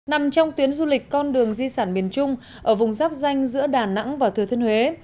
nằm trong tuyến du lịch con đường di sản miền trung ở vùng giáp danh giữa đà nẵng và thừa thiên huế